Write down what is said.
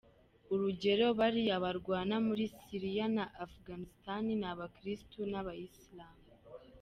Urugero, baliya barwana muli Syria na Afghanistan, ni Abakristu n’Abaslamu.